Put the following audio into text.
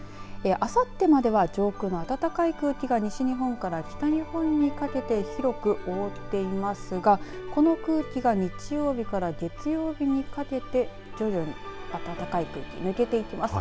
あさってまでは上空の暖かい空気が西日本から北日本にかけて広く覆っていますがこの空気が日曜日から月曜日にかけて徐々に暖かい空気抜けていきます。